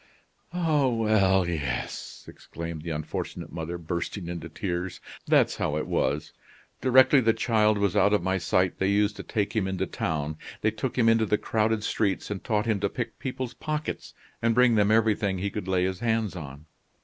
"Ah, well yes!" exclaimed the unfortunate mother, bursting into tears. "That's how it was. Directly the child was out of my sight, they used to take him into town. They took him into the crowded streets, and taught him to pick people's pockets, and bring them everything he could lay his hands on.